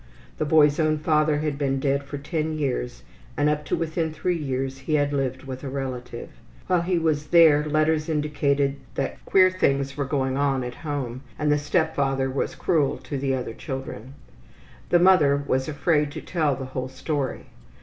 The boy's own father had been dead for ten years and up to within three years he had lived with a relative. While he was there letters indicated that queer things were going on at home, and the step father was cruel to the other children. The mother was afraid to tell the whole story.